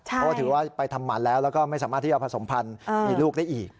เพราะว่าถือว่าไปทำหมันแล้วแล้วก็ไม่สามารถที่จะผสมพันธุ์มีลูกได้อีก